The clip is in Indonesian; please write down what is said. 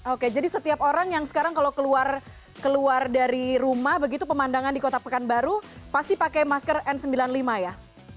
oke jadi setiap orang yang sekarang kalau keluar dari rumah begitu pemandangan di kota pekanbaru pasti pakai masker n sembilan puluh lima ya